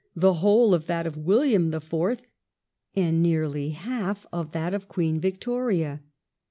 the whole of that of William IV., and nearly half that of Queen Victoria.